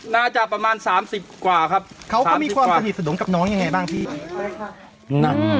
น่าจะประมาณสามสิบกว่าครับเขาก็มีความสนิทสนมกับน้องยังไงบ้างพี่ใช่ค่ะ